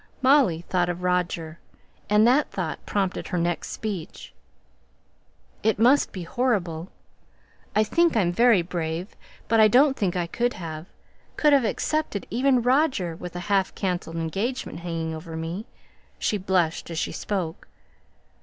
Molly thought of Roger, and that thought prompted her next speech. "It must be horrible I think I'm very brave but I don't think I could have could have accepted even Roger, with a half cancelled engagement hanging over me." She blushed as she spoke.